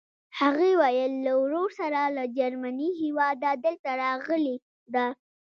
هغې ویل له ورور سره له جرمني هېواده دلته راغلې ده.